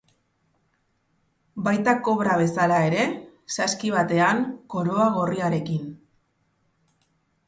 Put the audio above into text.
Baita kobra bezala ere, saski batean, koroa gorriarekin.